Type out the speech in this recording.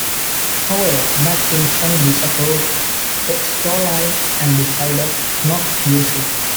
However, McKimson disapproved of the storyline, and decided not to use it.